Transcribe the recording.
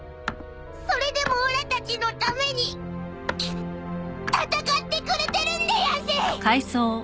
それでもおらたちのために戦ってくれてるんでやんす！